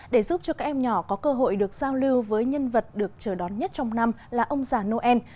để giúp cho các em nhỏ có cơ hội được giao lưu với nhân vật được chờ đón nhất trong năm là ông già noel